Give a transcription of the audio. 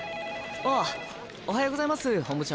あおはようございます本部長！